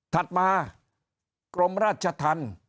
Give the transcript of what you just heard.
ถัดมากรมราชทัน